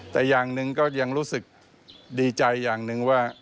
แต่อย่างหนึ่งก็ยังรู้สึกดีใจอย่างหนึ่งว่า